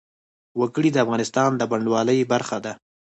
وګړي د افغانستان د بڼوالۍ برخه ده.